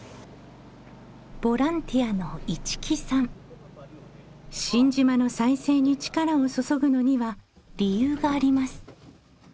ボランティアの市木さん新島の再生に力を注ぐのには理由があります。